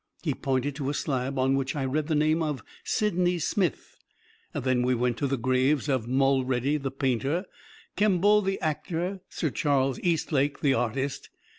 He pointed to a slab, on which I read the name of Sydney Smith. Then we went to the graves of Mulready, the painter; Kemble, the actor; Sir Charles Eastlake, the artist.